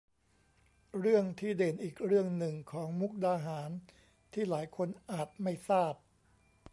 เรื่องที่เด่นอีกเรื่องหนึ่งของมุกดาหารที่หลายคนอาจไม่ทราบ